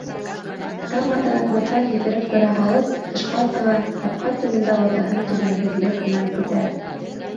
Таң атыр-атмаҫтан һикереп тора һалып, тышҡа сыға, ҡапҡа төбөндә олатаһын түҙемһеҙлек менән көтә.